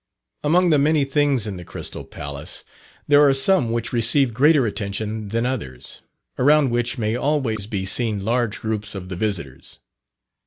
Among the many things in the Crystal Palace, there are some which receive greater attention than others, around which may always be seen large groups of the visitors.